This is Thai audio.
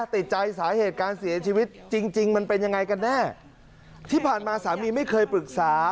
ติดใจสาเหตุการเสียชีวิตจริงจริงมันเป็นยังไงกันแน่ที่ผ่านมาสามีไม่เคยปรึกษา